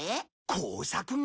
工作が？